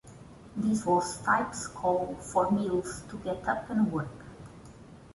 This was Stipe's call for Mills to get up and work.